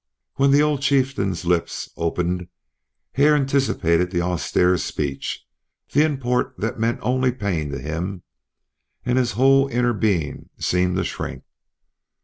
When the old chieftain's lips opened Hare anticipated the austere speech, the import that meant only pain to him, and his whole inner being seemed to shrink.